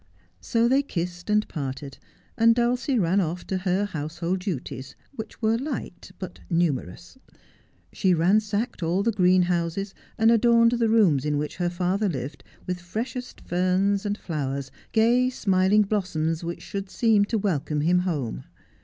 So they kissed and parted, and Dulcie ran off to her house hold duties, which were light but numerous. She ransacked all the greenhouses and adorned the rooms in which her father lived with freshest ferns and flowers, gay smiling blossoms which should seem to welcome him home.